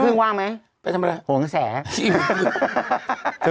อะไรหิไปทำอะไรโหหังแส